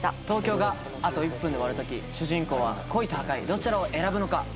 東京があと１分で終わるとき主人公は恋と破壊どちらを選ぶのか？